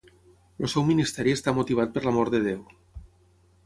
El seu ministeri està motivat per l'amor de Déu.